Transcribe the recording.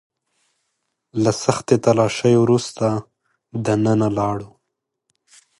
له سختې تلاشۍ وروسته دننه لاړو.